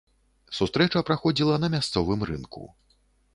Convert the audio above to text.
Сустрэча праходзіла на мясцовым рынку.